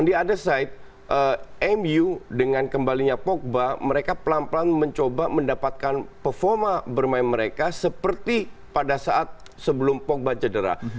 di undecide mu dengan kembalinya pogba mereka pelan pelan mencoba mendapatkan performa bermain mereka seperti pada saat sebelum pogba cedera